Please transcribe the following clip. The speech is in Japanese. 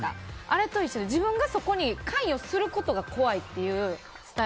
あれと一緒で自分がそこに関与することが怖いという。